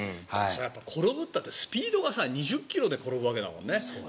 転ぶったってスピードが２０ｋｍで転ぶわけだからね